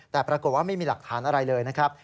แต่ปรากฏว่าไม่มีหลักฐานอะไรเลยนะครับ